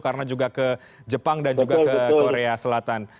karena juga ke jepang dan juga ke korea selatan